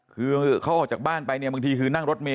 คือเขาออกจากบ้านไปเนี่ยบางทีคือนั่งรถเมย